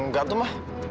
enggak tuh ma